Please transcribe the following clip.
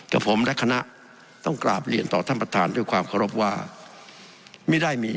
กับผมและคณะต้องกราบเรียนต่อท่านประธานด้วยความเคารพว่าไม่ได้มี